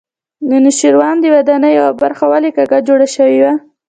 د نوشیروان د ودانۍ یوه برخه ولې کږه جوړه شوې وه.